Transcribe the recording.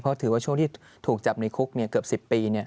เพราะถือว่าช่วงที่ถูกจับในคุกเกือบ๑๐ปี